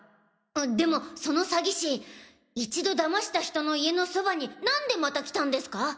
でもその詐欺師一度騙した人の家のそばになんでまた来たんですか？